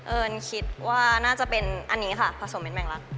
เอิญคิดว่าน่าจะเป็นอันนี้ค่ะผสมเป็นแมงลักษ